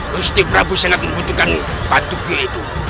gusih prabu sangat membutuhkan batu giyok itu